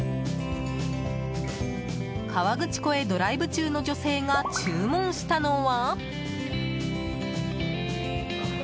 河口湖へドライブ中の女性が注文したのは。